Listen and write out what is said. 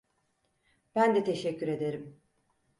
Ben de teşekkür ederim.